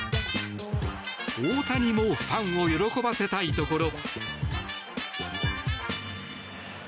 大谷もファンを喜ばせたいところ。